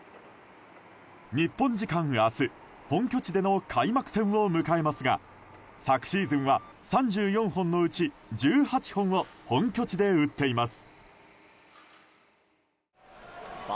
日本時間明日本拠地での開幕戦を迎えますが昨シーズンは３４本のうち１８本を本拠地で打っています。